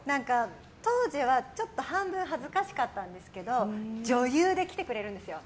当時は半分恥ずかしかったんですけど女優で来てくれるんですよ。